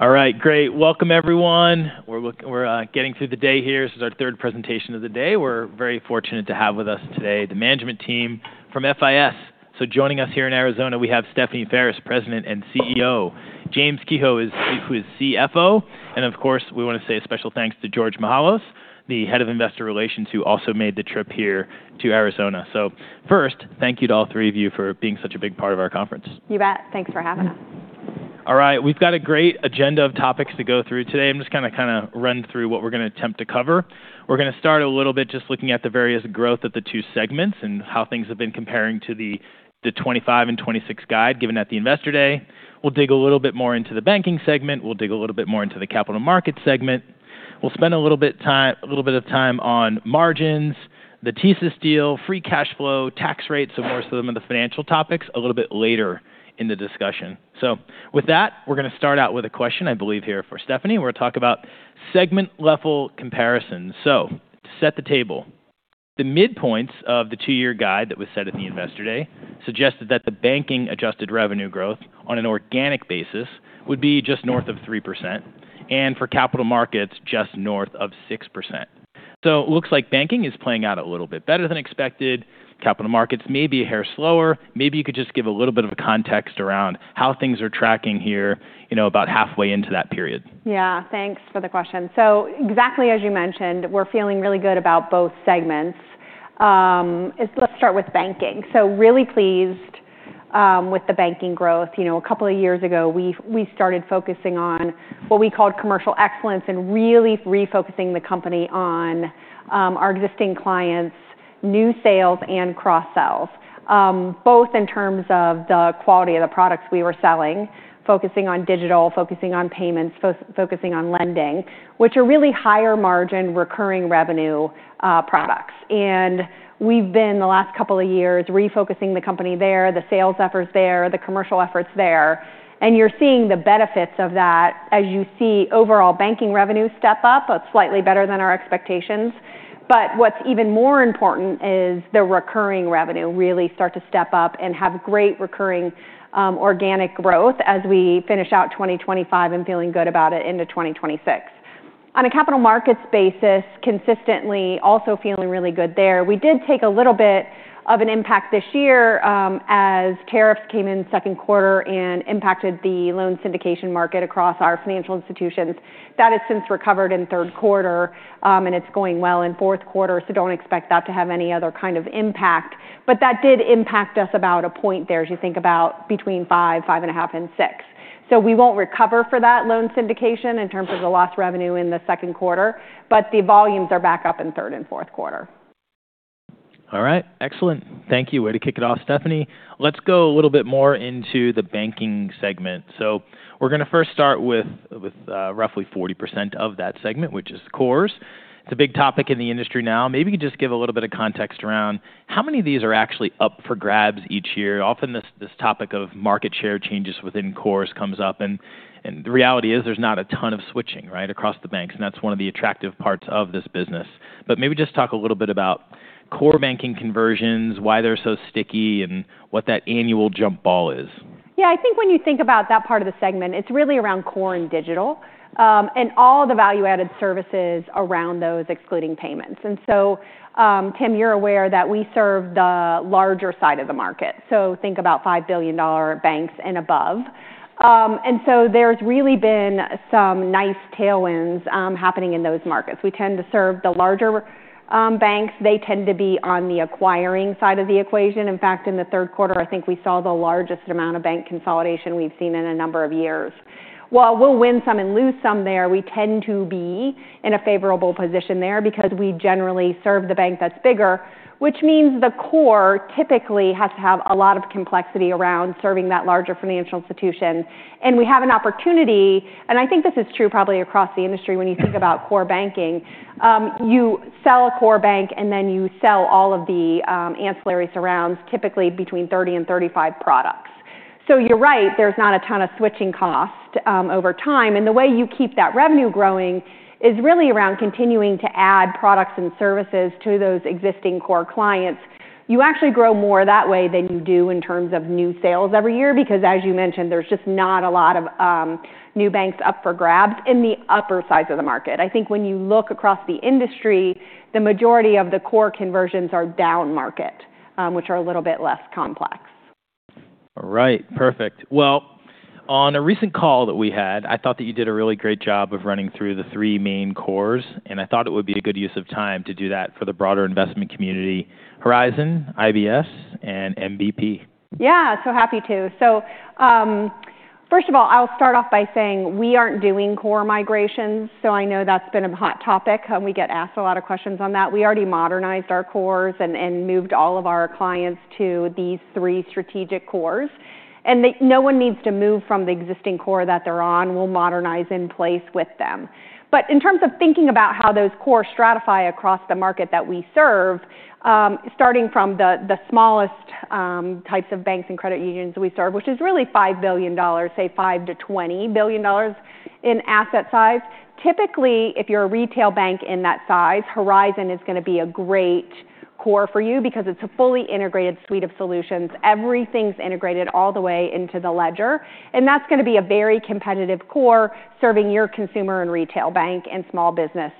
All right, great. Welcome, everyone. We're getting through the day here. This is our third presentation of the day. We're very fortunate to have with us today the management team from FIS. Joining us here in Arizona, we have Stephanie Ferris, President and CEO. James Kehoe, who is CFO. And of course, we want to say a special thanks to George Mihalos, the Head of investor relations, who also made the trip here to Arizona. First, thank you to all three of you for being such a big part of our conference. You bet. Thanks for having us. All right. We've got a great agenda of topics to go through today. I'm just gonna kinda run through what we're gonna attempt to cover. We're gonna start a little bit just looking at the various growth of the two segments and how things have been comparing to the 2025 and 2026 guide, given that the investor day. We'll dig a little bit more into the banking segment. We'll dig a little bit more into the capital markets segment. We'll spend a little bit of time on margins, the TSYS deal, free cash flow, tax rates, and more so on the financial topics a little bit later in the discussion. With that, we're gonna start out with a question, I believe, here for Stephanie. We're gonna talk about segment-level comparisons. To set the table, the midpoints of the two-year guide that was set at the investor day suggested that the banking adjusted revenue growth on an organic basis would be just north of 3%, and for capital markets, just north of 6%. It looks like banking is playing out a little bit better than expected. Capital markets may be a hair slower. Maybe you could just give a little bit of context around how things are tracking here, you know, about halfway into that period. Yeah. Thanks for the question. Exactly as you mentioned, we're feeling really good about both segments. Let's start with banking. Really pleased with the banking growth. You know, a couple of years ago, we started focusing on what we called commercial excellence and really refocusing the company on our existing clients, new sales, and cross-sells, both in terms of the quality of the products we were selling, focusing on digital, focusing on payments, focusing on lending, which are really higher margin recurring revenue products. We've been, the last couple of years, refocusing the company there, the sales efforts there, the commercial efforts there. You're seeing the benefits of that as you see overall banking revenue step up, but slightly better than our expectations. What's even more important is the recurring revenue really starts to step up and have great recurring, organic growth as we finish out 2025 and feeling good about it into 2026. On a capital markets basis, consistently also feeling really good there. We did take a little bit of an impact this year, as tariffs came in second quarter and impacted the loan syndication market across our financial institutions. That has since recovered in third quarter, and it's going well in fourth quarter. Do not expect that to have any other kind of impact. That did impact us about a point there as you think about between five, five and a half, and six. We will not recover for that loan syndication in terms of the lost revenue in the second quarter, but the volumes are back up in third and fourth quarter. All right. Excellent. Thank you. Way to kick it off, Stephanie. Let's go a little bit more into the banking segment. We're gonna first start with, with, roughly 40% of that segment, which is cores. It's a big topic in the industry now. Maybe you could just give a little bit of context around how many of these are actually up for grabs each year. Often this topic of market share changes within cores comes up, and the reality is there's not a ton of switching, right, across the banks. That's one of the attractive parts of this business. Maybe just talk a little bit about core banking conversions, why they're so sticky, and what that annual jump ball is. Yeah. I think when you think about that part of the segment, it's really around core and digital, and all the value-added services around those, excluding payments. Tim, you're aware that we serve the larger side of the market. Think about $5 billion banks and above. There's really been some nice tailwinds happening in those markets. We tend to serve the larger banks. They tend to be on the acquiring side of the equation. In fact, in the third quarter, I think we saw the largest amount of bank consolidation we've seen in a number of years. While we'll win some and lose some there, we tend to be in a favorable position there because we generally serve the bank that's bigger, which means the core typically has to have a lot of complexity around serving that larger financial institution. We have an opportunity, and I think this is true probably across the industry when you think about core banking. You sell a core bank, and then you sell all of the ancillary surrounds, typically between 30 and 35 products. You're right, there's not a ton of switching cost over time. The way you keep that revenue growing is really around continuing to add products and services to those existing core clients. You actually grow more that way than you do in terms of new sales every year because, as you mentioned, there's just not a lot of new banks up for grabs in the upper sides of the market. I think when you look across the industry, the majority of the core conversions are down market, which are a little bit less complex. All right. Perfect. On a recent call that we had, I thought that you did a really great job of running through the three main cores, and I thought it would be a good use of time to do that for the broader investment community: Horizon, IBS, and MVP. Yeah. Happy to. First of all, I'll start off by saying we aren't doing core migrations. I know that's been a hot topic, and we get asked a lot of questions on that. We already modernized our cores and moved all of our clients to these three strategic cores. No one needs to move from the existing core that they're on. We'll modernize in place with them. In terms of thinking about how those cores stratify across the market that we serve, starting from the smallest types of banks and credit unions we serve, which is really $5 billion, say $5 billion-$20 billion in asset size, typically, if you're a retail bank in that size, Horizon is gonna be a great core for you because it's a fully integrated suite of solutions. Everything's integrated all the way into the ledger. That is gonna be a very competitive core serving your consumer and retail bank and small business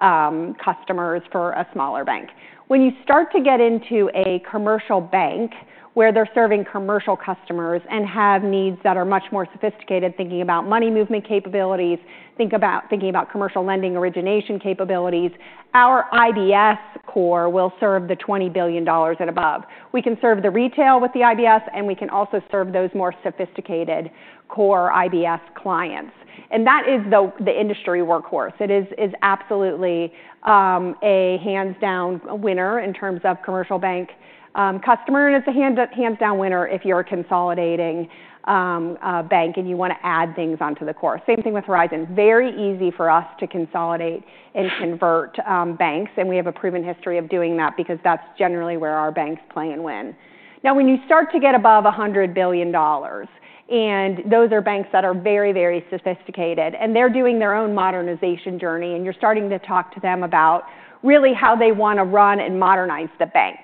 customers for a smaller bank. When you start to get into a commercial bank where they're serving commercial customers and have needs that are much more sophisticated, thinking about money movement capabilities, thinking about commercial lending origination capabilities, our IBS core will serve the $20 billion and above. We can serve the retail with the IBS, and we can also serve those more sophisticated core IBS clients. That is the industry workhorse. It is absolutely a hands-down winner in terms of commercial bank customer. It is a hands-down winner if you're a consolidating bank and you wanna add things onto the core. Same thing with Horizon. Very easy for us to consolidate and convert banks. We have a proven history of doing that because that's generally where our banks play and win. Now, when you start to get above $100 billion, and those are banks that are very, very sophisticated, and they're doing their own modernization journey, and you're starting to talk to them about really how they wanna run and modernize the bank,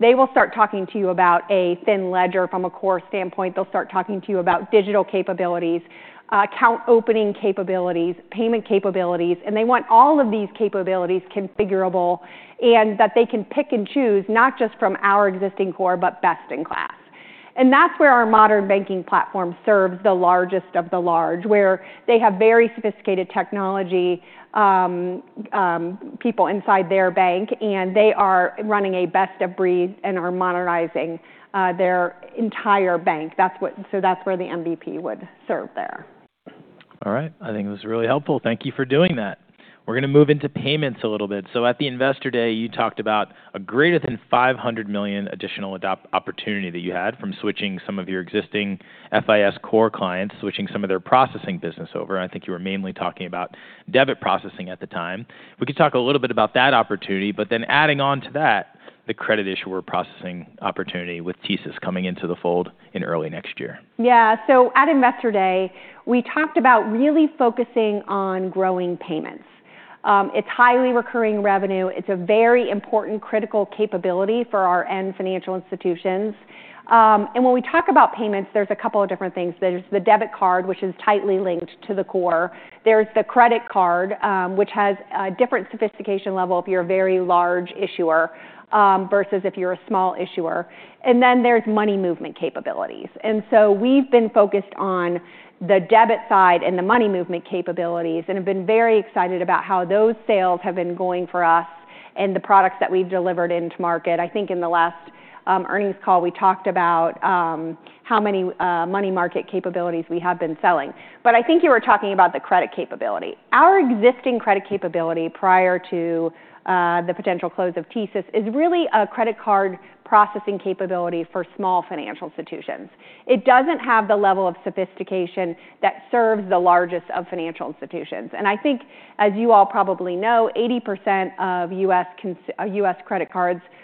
they will start talking to you about a thin ledger from a core standpoint. They'll start talking to you about digital capabilities, account opening capabilities, payment capabilities, and they want all of these capabilities configurable and that they can pick and choose not just from our existing core, but best in class. That's where our modern banking platform serves the largest of the large, where they have very sophisticated technology people inside their bank, and they are running a best of breed and are modernizing their entire bank. That's what—so that's where the MVP would serve there. All right. I think it was really helpful. Thank you for doing that. We're gonna move into payments a little bit. At the investor day, you talked about a greater than $500 million additional adopt opportunity that you had from switching some of your existing FIS core clients, switching some of their processing business over. I think you were mainly talking about debit processing at the time. We could talk a little bit about that opportunity, but then adding on to that, the credit issuer processing opportunity with TSYS coming into the fold in early next year. Yeah. At investor day, we talked about really focusing on growing payments. It's highly recurring revenue. It's a very important critical capability for our end financial institutions. When we talk about payments, there's a couple of different things. There's the debit card, which is tightly linked to the core. There's the credit card, which has a different sophistication level if you're a very large issuer versus if you're a small issuer. Then there's money movement capabilities. We have been focused on the debit side and the money movement capabilities and have been very excited about how those sales have been going for us and the products that we've delivered into market. I think in the last earnings call, we talked about how many money movement capabilities we have been selling. I think you were talking about the credit capability. Our existing credit capability prior to the potential close of TSYS is really a credit card processing capability for small financial institutions. It does not have the level of sophistication that serves the largest of financial institutions. I think, as you all probably know, 80% of U.S. credit cards are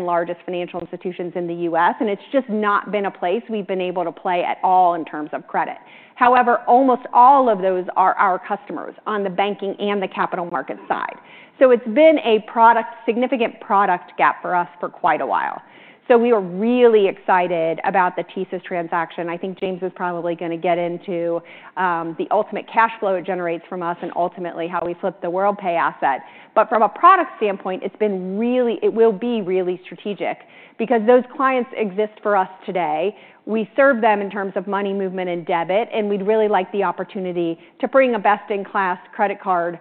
the largest financial institutions in the U.S., and it is just not been a place we have been able to play at all in terms of credit. However, almost all of those are our customers on the banking and the capital market side. It has been a significant product gap for us for quite a while. We were really excited about the TSYS transaction. I think James is probably going to get into the ultimate cash flow it generates for us and ultimately how we flip the Worldpay asset. From a product standpoint, it's been really—it will be really strategic because those clients exist for us today. We serve them in terms of money movement and debit, and we'd really like the opportunity to bring a best in class credit card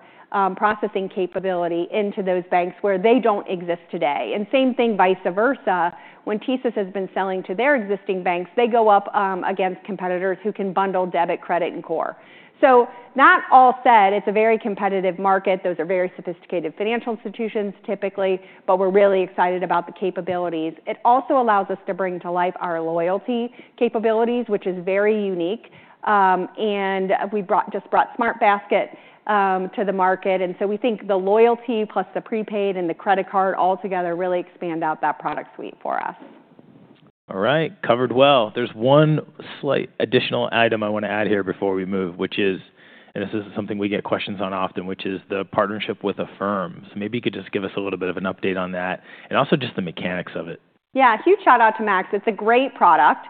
processing capability into those banks where they don't exist today. Same thing vice versa. When TSYS has been selling to their existing banks, they go up against competitors who can bundle debit, credit, and core. That all said, it's a very competitive market. Those are very sophisticated financial institutions typically, but we're really excited about the capabilities. It also allows us to bring to life our loyalty capabilities, which is very unique. We just brought Smart Basket to the market. We think the loyalty plus the prepaid and the credit card altogether really expand out that product suite for us. All right. Covered well. There is one slight additional item I want to add here before we move, which is—and this is something we get questions on often—which is the partnership with Affirm. Maybe you could just give us a little bit of an update on that and also just the mechanics of it. Yeah. Huge shout out to Max. It's a great product,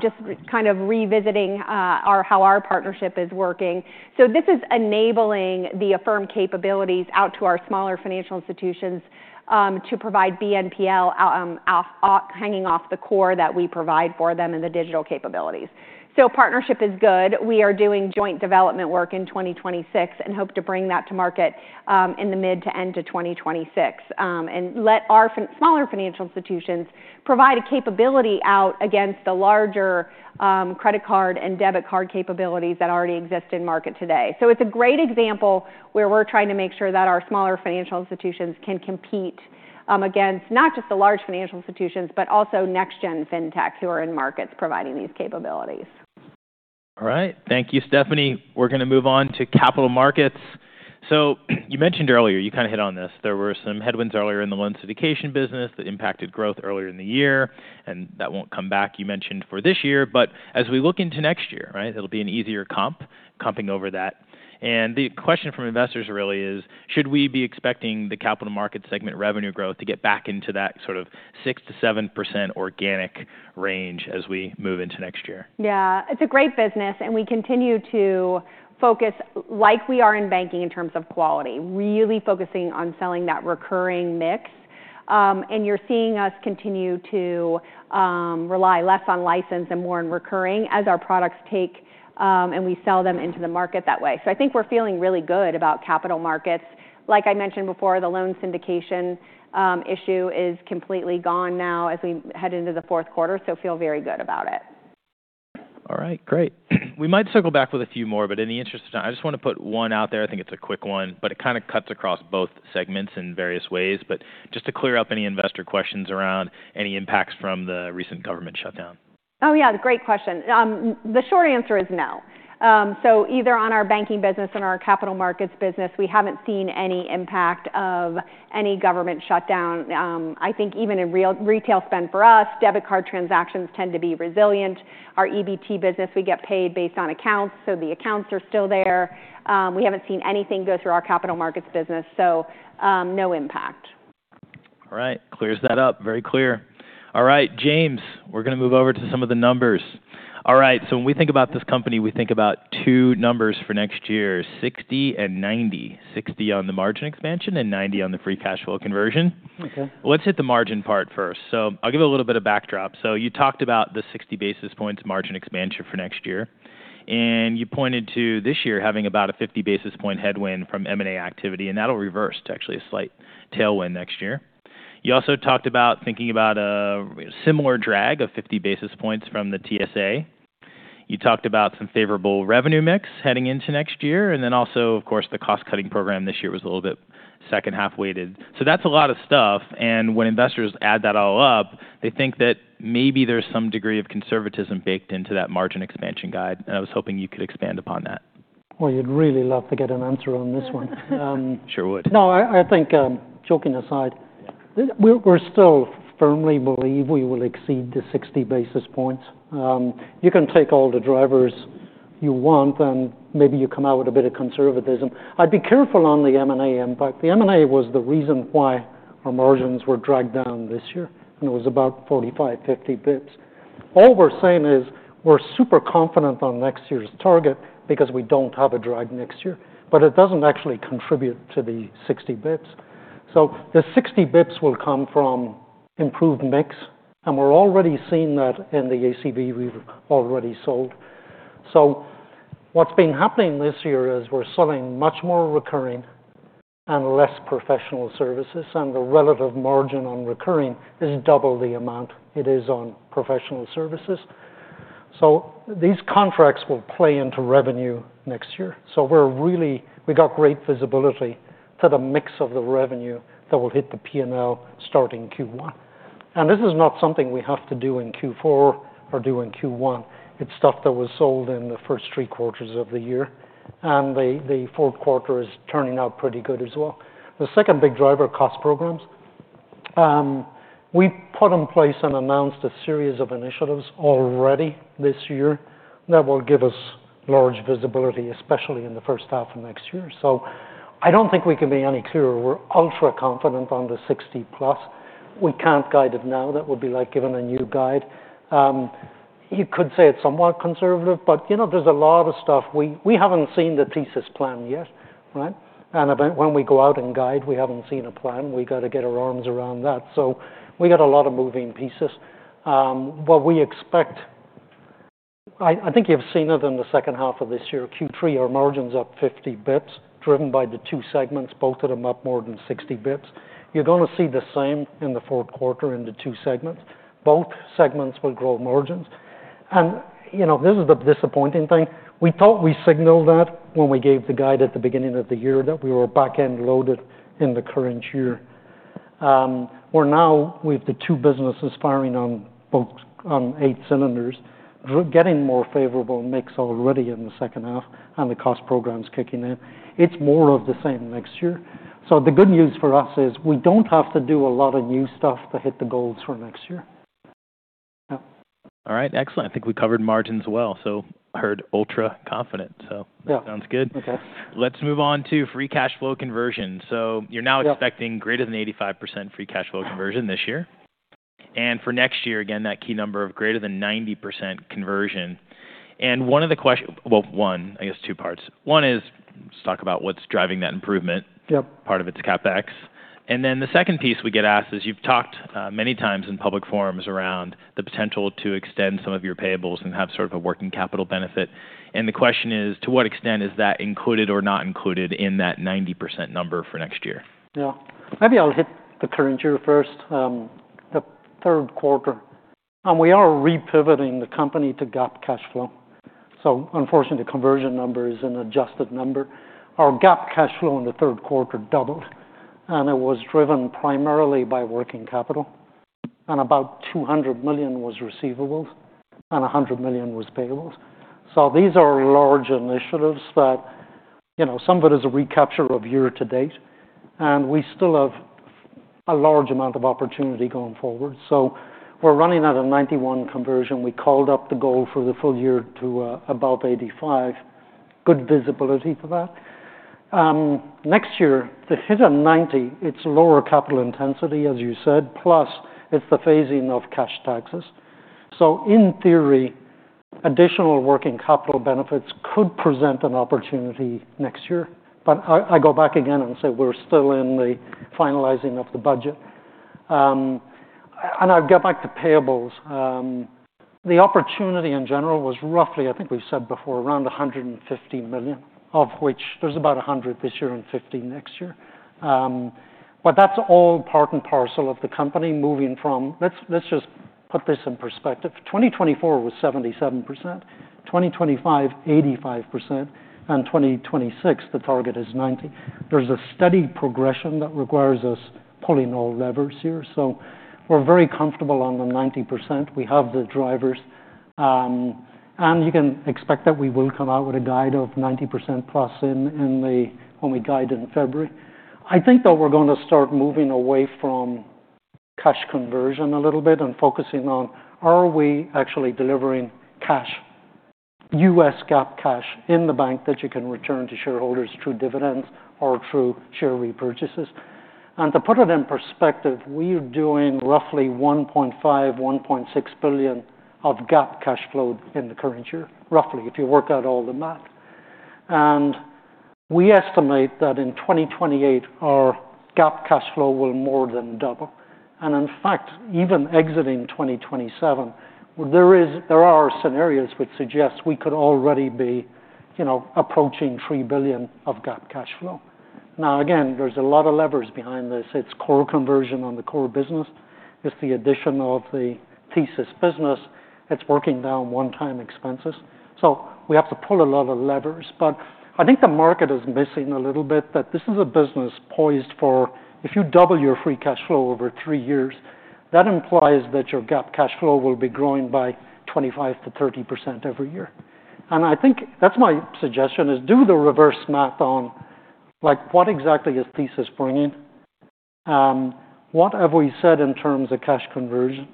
just kind of revisiting our—how our partnership is working. This is enabling the Affirm capabilities out to our smaller financial institutions, to provide BNPL, off—off hanging off the core that we provide for them and the digital capabilities. Partnership is good. We are doing joint development work in 2026 and hope to bring that to market, in the mid to end of 2026, and let our smaller financial institutions provide a capability out against the larger, credit card and debit card capabilities that already exist in market today. It's a great example where we're trying to make sure that our smaller financial institutions can compete, against not just the large financial institutions, but also next-gen fintechs who are in markets providing these capabilities. All right. Thank you, Stephanie. We're gonna move on to capital markets. You mentioned earlier, you kinda hit on this. There were some headwinds earlier in the loan syndication business that impacted growth earlier in the year, and that won't come back, you mentioned, for this year. As we look into next year, right, it'll be an easier comp, comping over that. The question from investors really is, should we be expecting the capital market segment revenue growth to get back into that sort of six-7% organic range as we move into next year? Yeah. It's a great business, and we continue to focus like we are in banking in terms of quality, really focusing on selling that recurring mix. You're seeing us continue to rely less on license and more on recurring as our products take, and we sell them into the market that way. I think we're feeling really good about capital markets. Like I mentioned before, the loan syndication issue is completely gone now as we head into the fourth quarter, so feel very good about it. All right. Great. We might circle back with a few more, but in the interest of time, I just wanna put one out there. I think it's a quick one, but it kinda cuts across both segments in various ways. Just to clear up any investor questions around any impacts from the recent government shutdown. Oh, yeah. Great question. The short answer is no. Either on our banking business and our capital markets business, we haven't seen any impact of any government shutdown. I think even in real retail spend for us, debit card transactions tend to be resilient. Our EBT business, we get paid based on accounts, so the accounts are still there. We haven't seen anything go through our capital markets business, so, no impact. All right. Clears that up. Very clear. All right. James, we're gonna move over to some of the numbers. All right. So when we think about this company, we think about two numbers for next year: 60 and 90. 60 on the margin expansion and 90 on the free cash flow conversion. Okay. Let's hit the margin part first. I'll give you a little bit of backdrop. You talked about the 60 basis points margin expansion for next year, and you pointed to this year having about a 50 basis point headwind from M&A activity, and that will reverse to actually a slight tailwind next year. You also talked about thinking about a similar drag of 50 basis points from the TSYS. You talked about some favorable revenue mix heading into next year, and then also, of course, the cost-cutting program this year was a little bit second half weighted. That is a lot of stuff. When investors add that all up, they think that maybe there's some degree of conservatism baked into that margin expansion guide. I was hoping you could expand upon that. You'd really love to get an answer on this one. Sure would. No, I think, joking aside, we still firmly believe we will exceed the 60 basis points. You can take all the drivers you want, and maybe you come out with a bit of conservatism. I'd be careful on the M&A impact. The M&A was the reason why our margins were dragged down this year, and it was about 45-50 basis points. All we're saying is we're super confident on next year's target because we don't have a drag next year, but it doesn't actually contribute to the 60 basis points. The 60 basis points will come from improved mix, and we're already seeing that in the ACV we've already sold. What's been happening this year is we're selling much more recurring and less professional services, and the relative margin on recurring is double the amount it is on professional services. These contracts will play into revenue next year. We got great visibility to the mix of the revenue that will hit the P&L starting Q1. This is not something we have to do in Q4 or do in Q1. It is stuff that was sold in the first three quarters of the year, and the fourth quarter is turning out pretty good as well. The second big driver, cost programs, we put in place and announced a series of initiatives already this year that will give us large visibility, especially in the first half of next year. I do not think we can be any clearer. We are ultra confident on the 60 plus. We cannot guide it now. That would be like giving a new guide. You could say it is somewhat conservative, but, you know, there is a lot of stuff. We haven't seen the TSYS plan yet, right? And when we go out and guide, we haven't seen a plan. We gotta get our arms around that. So we got a lot of moving pieces. What we expect—I think you've seen it in the second half of this year. Q3, our margins up 50 basis points, driven by the two segments, bolted them up more than 60 basis points. You're gonna see the same in the fourth quarter in the two segments. Both segments will grow margins. And, you know, this is the disappointing thing. We thought we signaled that when we gave the guide at the beginning of the year that we were back end loaded in the current year. We're now—we've the two businesses firing on both on eight cylinders, getting more favorable mix already in the second half and the cost programs kicking in. is more of the same next year. The good news for us is we do not have to do a lot of new stuff to hit the goals for next year. Yeah. All right. Excellent. I think we covered margins well. Heard ultra confident. That sounds good. Yeah. Okay. Let's move on to free cash flow conversion. You're now expecting greater than 85% free cash flow conversion this year. For next year, again, that key number of greater than 90% conversion. One of the ques—well, I guess two parts. One is let's talk about what's driving that improvement. Yep. Part of it is CapEx. The second piece we get asked is you've talked, many times in public forums around the potential to extend some of your payables and have sort of a working capital benefit. The question is, to what extent is that included or not included in that 90% number for next year? Yeah. Maybe I'll hit the current year first. The third quarter, we are repivoting the company to GAAP cash flow. Unfortunately, the conversion number is an adjusted number. Our GAAP cash flow in the third quarter doubled, and it was driven primarily by working capital. About $200 million was receivables and $100 million was payables. These are large initiatives that, you know, some of it is a recapture of year to date, and we still have a large amount of opportunity going forward. We're running at a 91% conversion. We called up the goal for the full year to about 85%. Good visibility for that. Next year, to hit a 90%, it's lower capital intensity, as you said, plus it's the phasing of cash taxes. In theory, additional working capital benefits could present an opportunity next year. I go back again and say we're still in the finalizing of the budget. I'll get back to payables. The opportunity in general was roughly, I think we've said before, around $150 million, of which there's about $100 million this year and $50 million next year. That's all part and parcel of the company moving from—let's just put this in perspective. 2024 was 77%, 2025, 85%, and 2026, the target is 90%. There's a steady progression that requires us pulling all levers here. We're very comfortable on the 90%. We have the drivers, and you can expect that we will come out with a guide of 90% plus when we guide in February. I think that we're gonna start moving away from cash conversion a little bit and focusing on, are we actually delivering cash, U.S. GAAP cash in the bank that you can return to shareholders through dividends or through share repurchases? To put it in perspective, we are doing roughly $1.5 billion-$1.6 billion of GAAP cash flow in the current year, roughly, if you work out all the math. We estimate that in 2028, our GAAP cash flow will more than double. In fact, even exiting 2027, there is—there are scenarios which suggest we could already be, you know, approaching $3 billion of GAAP cash flow. Now, again, there's a lot of levers behind this. It's core conversion on the core business. It's the addition of the TSYS business. It's working down one-time expenses. We have to pull a lot of levers. I think the market is missing a little bit that this is a business poised for, if you double your free cash flow over three years, that implies that your GAAP cash flow will be growing by 25-30% every year. I think that's my suggestion is do the reverse math on, like, what exactly is TSYS bringing? What have we said in terms of cash conversion?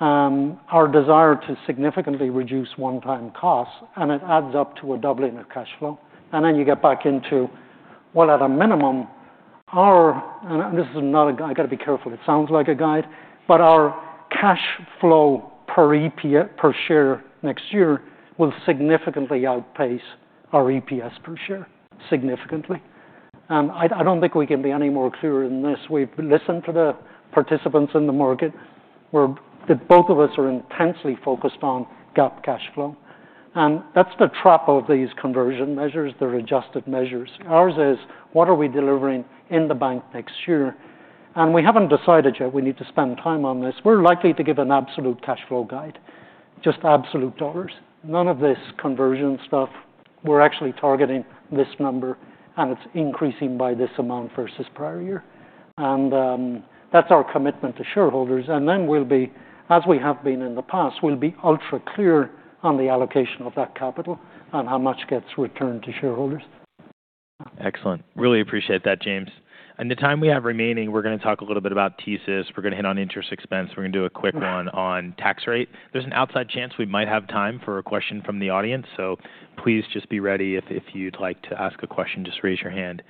Our desire to significantly reduce one-time costs, and it adds up to a doubling of cash flow. You get back into, at a minimum, our—and this is not a guide; I gotta be careful. It sounds like a guide, but our cash flow per EPS per share next year will significantly outpace our EPS per share significantly. I don't think we can be any more clearer than this. We've listened to the participants in the market. We—the both of us are intensely focused on GAAP cash flow. That's the trap of these conversion measures. They're adjusted measures. Ours is, what are we delivering in the bank next year? We haven't decided yet. We need to spend time on this. We're likely to give an absolute cash flow guide, just absolute dollars. None of this conversion stuff. We're actually targeting this number, and it's increasing by this amount versus prior year. That's our commitment to shareholders. We will be, as we have been in the past, ultra clear on the allocation of that capital and how much gets returned to shareholders. Excellent. Really appreciate that, James. In the time we have remaining, we're gonna talk a little bit about TSYS. We're gonna hit on interest expense. We're gonna do a quick one on tax rate. There's an outside chance we might have time for a question from the audience, so please just be ready if you'd like to ask a question, just raise your hand.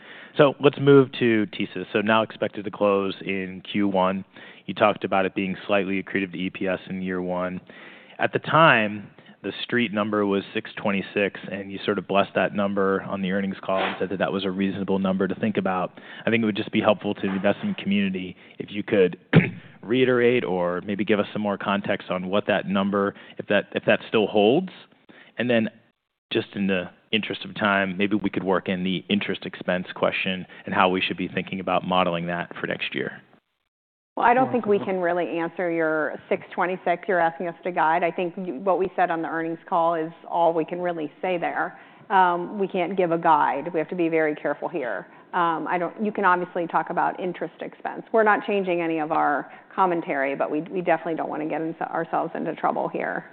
Let's move to TSYS. Now expected to close in Q1. You talked about it being slightly accretive to EPS in year one. At the time, the street number was $6.26, and you sort of blessed that number on the earnings call and said that that was a reasonable number to think about. I think it would just be helpful to the investment community if you could reiterate or maybe give us some more context on what that number, if that still holds. In the interest of time, maybe we could work in the interest expense question and how we should be thinking about modeling that for next year. I do not think we can really answer your 626. You are asking us to guide. I think what we said on the earnings call is all we can really say there. We cannot give a guide. We have to be very careful here. I do not—you can obviously talk about interest expense. We are not changing any of our commentary, but we definitely do not want to get ourselves into trouble here.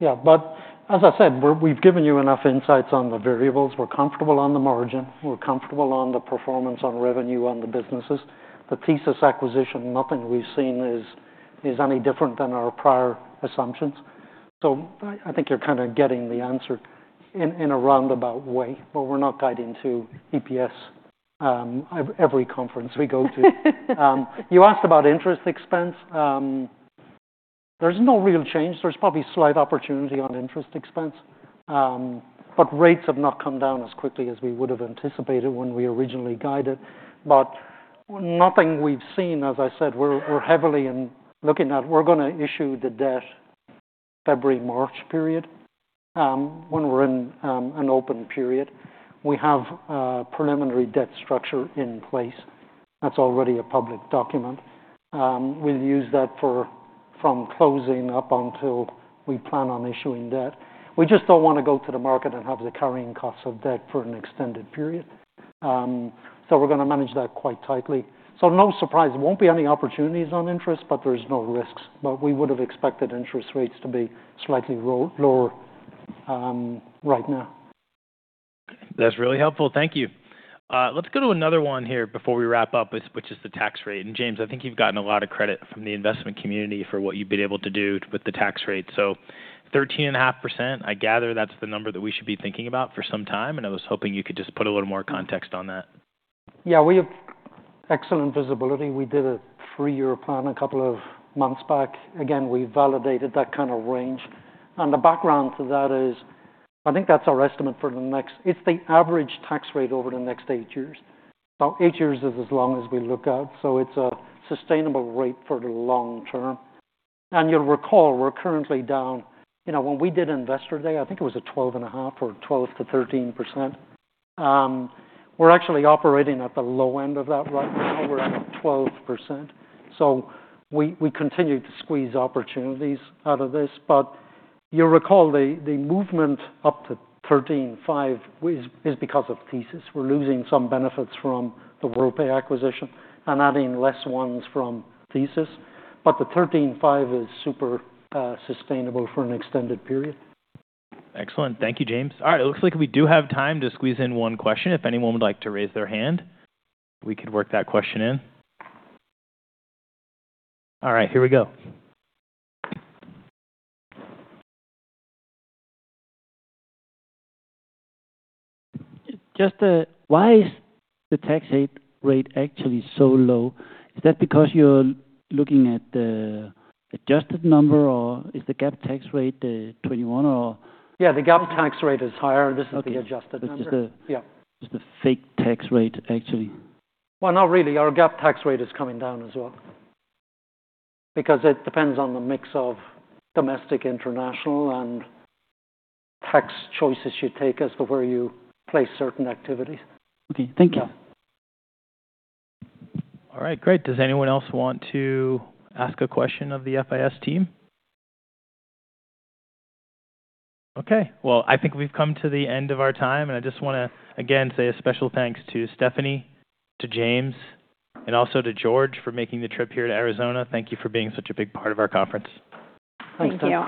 Yeah. As I said, we've given you enough insights on the variables. We're comfortable on the margin. We're comfortable on the performance on revenue on the businesses. The TSYS acquisition, nothing we've seen is any different than our prior assumptions. I think you're kinda getting the answer in a roundabout way, but we're not guiding to EPS every conference we go to. You asked about interest expense. There's no real change. There's probably slight opportunity on interest expense. Rates have not come down as quickly as we would've anticipated when we originally guided it. Nothing we've seen, as I said, we're heavily in looking at. We're gonna issue the debt February-March period, when we're in an open period. We have a preliminary debt structure in place. That's already a public document. We'll use that from closing up until we plan on issuing debt. We just don't wanna go to the market and have the carrying costs of debt for an extended period. We're gonna manage that quite tightly. No surprise. There won't be any opportunities on interest, but there's no risks. We would've expected interest rates to be slightly lower right now. That's really helpful. Thank you. Let's go to another one here before we wrap up, which is the tax rate. And James, I think you've gotten a lot of credit from the investment community for what you've been able to do with the tax rate. So 13.5%, I gather that's the number that we should be thinking about for some time. And I was hoping you could just put a little more context on that. Yeah. We have excellent visibility. We did a three-year plan a couple of months back. Again, we validated that kind of range. The background to that is I think that's our estimate for the next—it's the average tax rate over the next eight years. Eight years is as long as we look at. It's a sustainable rate for the long term. You'll recall we're currently down, you know, when we did investor day, I think it was a 12.5% or 12%-13%. We're actually operating at the low end of that right now. We're at 12%. We continue to squeeze opportunities out of this. You'll recall the movement up to 13.5% is because of TSYS. We're losing some benefits from the Worldpay acquisition and adding less ones from TSYS. The 13.5 is super, sustainable for an extended period. Excellent. Thank you, James. All right. It looks like we do have time to squeeze in one question. If anyone would like to raise their hand, we could work that question in. All right. Here we go. Just, why is the tax rate actually so low? Is that because you're looking at the adjusted number, or is the GAAP tax rate, 21, or? Yeah. The GAAP tax rate is higher, and this is the adjusted number. Okay. Yeah. It's the fake tax rate, actually. Our GAAP tax rate is coming down as well because it depends on the mix of domestic, international, and tax choices you take as to where you place certain activities. Okay. Thank you. All right. Great. Does anyone else want to ask a question of the FIS team? Okay. I think we've come to the end of our time, and I just wanna, again, say a special thanks to Stephanie, to James, and also to George for making the trip here to Arizona. Thank you for being such a big part of our conference. Thanks, John.